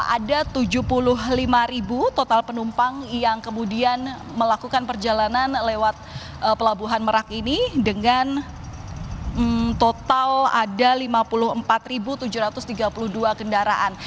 ada tujuh puluh lima total penumpang yang kemudian melakukan perjalanan lewat pelabuhan merak ini dengan total ada lima puluh empat tujuh ratus tiga puluh dua kendaraan